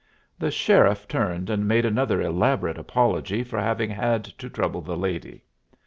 The sheriff turned and made another elaborate apology for having had to trouble the lady.